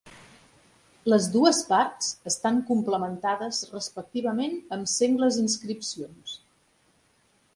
Les dues parts estan complementades respectivament amb sengles inscripcions.